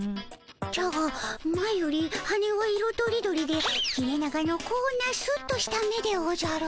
じゃが前より羽は色とりどりで切れ長のこんなスッとした目でおじゃる。